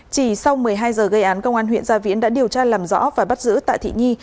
chỉ sau một mươi hai giờ gây án công an huyện gia viễn đã điều tra làm rõ và bắt giữ tạ thị nhi